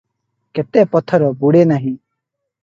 କେତେ ପଥର ବୁଡ଼େ ନାହିଁ ।